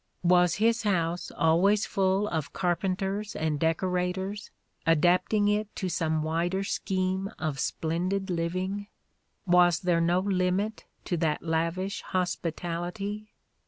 Was his house always full of carpenters and decorators, adapting it to some wider scheme of splendid living? Was there no limit to that lavish hospitality